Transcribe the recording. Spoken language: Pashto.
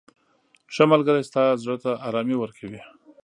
• ښه ملګری ستا زړه ته ارامي ورکوي.